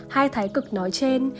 hai thái cực nói trên